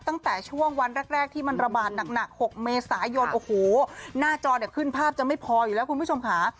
ตั้งแต่ช่วงวันแรกที่มันระบาดหนัก๖เมษายนโอ้โหหน้าจอเนี่ยขึ้นภาพจะไม่พออยู่แล้วคุณผู้ชมค่ะ